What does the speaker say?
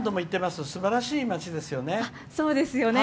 すばらしい町ですよね。